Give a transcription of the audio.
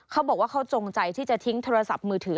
เขาบอกว่าเขาจงใจที่จะทิ้งโทรศัพท์มือถือ